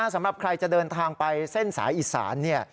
สำหรับใครจะเดินทางไปเส้นสายอิสราน